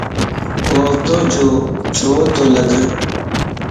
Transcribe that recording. ووتو جو ڇو تو لڳ؟